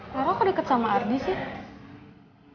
rara kok deket sama ardi sih